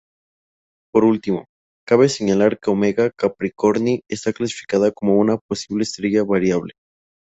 Por último, cabe señalar que Omega Capricorni está clasificada como una posible estrella variable.